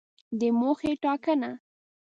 د موخې ټاکنه